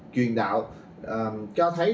truyền đạo cho thấy